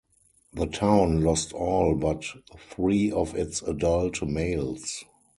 The town lost all but three of its adult males.